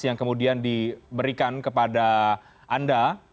yang kemudian diberikan kepada anda